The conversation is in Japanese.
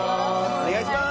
お願いします。